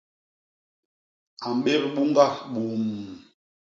A mbép buñga buumm.